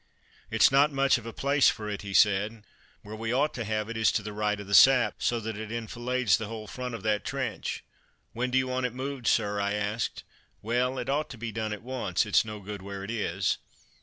"It's not much of a place for it," he said; "where we ought to have it is to the right of the sap, so that it enfilades the whole front of that trench." "When do you want it moved, sir?" I asked. "Well, it ought to be done at once; it's no good where it is."